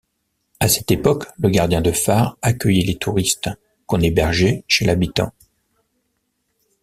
À cette époque, le gardien de phare accueillait les touristes, qu'on hébergeait chez l'habitant.